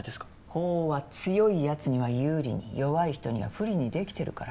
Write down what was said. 法は強いやつには有利に弱い人には不利に出来てるから。